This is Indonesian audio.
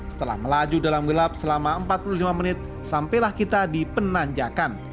setelah melaju dalam gelap selama empat puluh lima menit sampailah kita di penanjakan